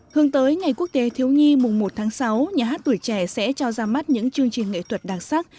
hướng tới ngày quốc tế thiếu nhi mùng một tháng sáu nhà hát tuổi trẻ sẽ cho ra mắt những chương trình nghệ thuật đặc sắc